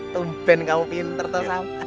tumpen kamu pinter tau sama